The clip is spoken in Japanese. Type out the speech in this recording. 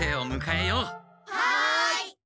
はい！